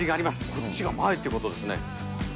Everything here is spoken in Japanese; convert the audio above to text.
こっちが前ってことですね。